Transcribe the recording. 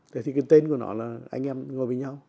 thế thì cái tên của nó là anh em ngồi với nhau